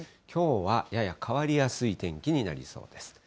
きょうはやや変わりやすい天気になりそうです。